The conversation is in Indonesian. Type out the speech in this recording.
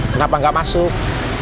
kenapa nggak masuk